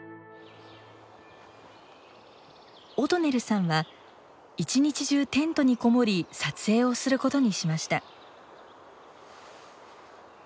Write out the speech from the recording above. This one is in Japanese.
オドネルさんは一日中テントにこもり撮影をすることにしました。